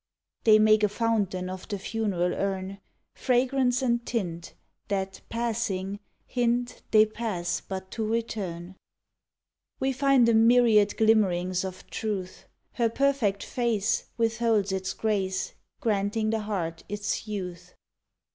They make a fountain of the funeral urn Fragrance and tint That, passing, hint They pass but to return. A YELLOW ROSE We find a myriad glimmerings of Truth; Her perfect face Withholds its grace, Granting the heart its youth.